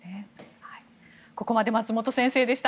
ここまで松本先生でした。